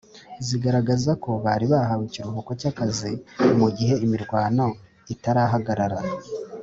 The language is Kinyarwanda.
zigaragaza ko bari bahawe ikiruhuko cy'akazi mu gihe imirwano itarahagarara